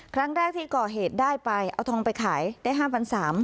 ครั้งแรกที่ก่อเหตุได้ไปเอาทองไปขายได้๕๓๐๐บาท